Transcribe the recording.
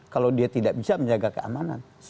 kalau dia tidak bisa menjaga keamanan